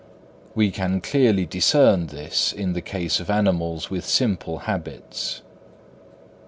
We can clearly discern this in the case of animals with simple habits.